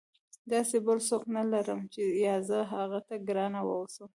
داسې بل څوک نه لرم چې یا زه هغه ته ګرانه واوسم.